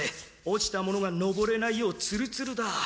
落ちた者が登れないようツルツルだ。